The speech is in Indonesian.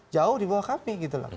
jauh di bawah kami